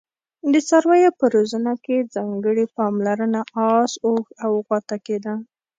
د څارویو په روزنه کې ځانګړي پاملرنه اس، اوښ او غوا ته کېده.